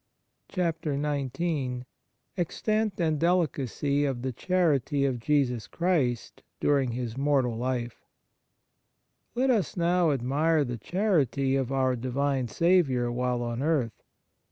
43 XIX EXTENT AND DELICACY OF THE CHARITY OF JESUS CHRIST DURING His MORTAL LIFE LET us now admire the charity of our Divine Saviour while on earth.